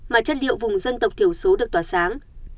mà chất liệu vùng dân tộc thiểu số được tỏa sáng